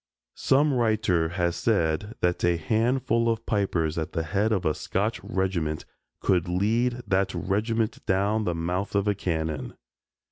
Some writer has said that a handful of pipers at the head of a Scotch regiment could lead that regiment down the mouth of a cannon.